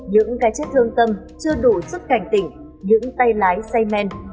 những cái chết thương tâm chưa đủ sức cảnh tỉnh những tay lái say men